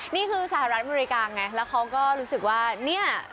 นี่คือสหรัฐอเมริกาไงแล้วเขาก็รู้สึกว่าเนี่ย